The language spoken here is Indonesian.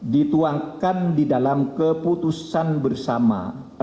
dituangkan di dalam keputusan bersama